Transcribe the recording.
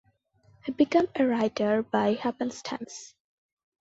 He became a writer by happenstance.